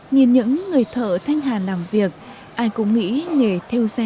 nhìn những người thợ thanh hà làm việc ai cũng nghĩ nghề theo gen